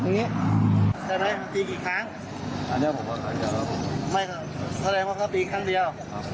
อันเนี้ยผมว่าตีครั้งเดียวไม่ค่ะเพราะเลยว่าตีครั้งเดียว